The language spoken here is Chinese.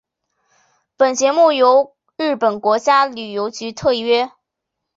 本节目由日本国家旅游局特约。